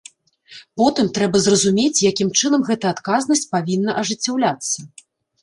Потым трэба зразумець, якім чынам гэта адказнасць павінна ажыццяўляцца.